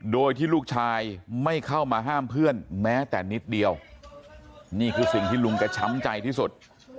โดยที่ลูกชายไม่เข้ามาห้ามเพื่อนแม้แต่นิดเดียวนี่คือสิ่งที่ลุงแกช้ำใจที่สุด